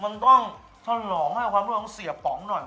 มันต้องฉลองความรู้ของเสียป๋องหน่อย